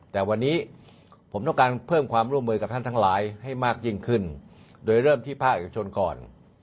แต่วันนี้ผมต้องการเพิ่มความร่วมมือกับท่านทั้งหลายให้มากยิ่งขึ้นโดยเริ่มที่ภาคเอกชนก่อน